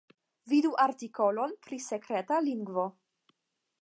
Vidu artikolon pri sekreta lingvo.